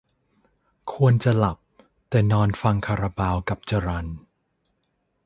ควรจะหลับ แต่นอนฟังคาราบาวกับจรัล